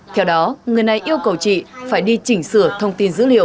theo đó người này yêu cầu chị phải đi chỉnh sửa thông tin dữ liệu